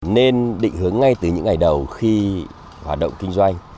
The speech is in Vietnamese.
nên định hướng ngay từ những ngày đầu khi hoạt động kinh doanh